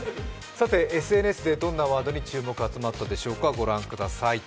ＳＮＳでどんなワードに注目が集まったでしょうかご覧ください。